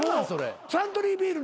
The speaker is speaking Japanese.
サントリービールの。